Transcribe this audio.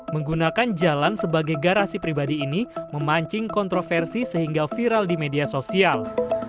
menggunakan jalan sebagai garasi pribadi ini memancing kontroversi sehingga viral di media sosial